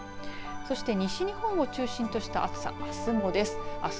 そして西日本を中心とした暑さあすもです。